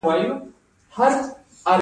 د پیوند کولو مهارت بزګران لري.